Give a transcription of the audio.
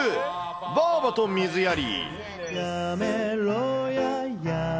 ばぁばと水やり。